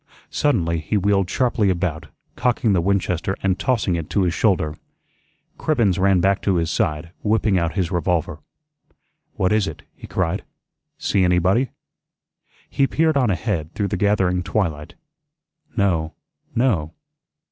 Suddenly he wheeled sharply about, cocking the Winchester and tossing it to his shoulder. Cribbens ran back to his side, whipping out his revolver. "What is it?" he cried. "See anybody?" He peered on ahead through the gathering twilight. "No, no."